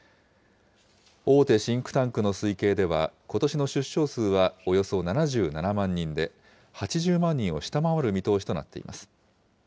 大手シンクタンクの推計では、ことしの出生数はおよそ７７万人で、８０万人を下回る見通しとなっています。